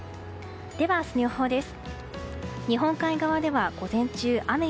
では、明日の予報です。